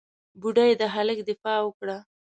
بوډۍ د هلک دفاع وکړه.